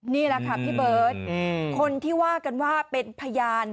นี่แหละค่ะพี่เบิร์ตคนที่ว่ากันว่าเป็นพยาน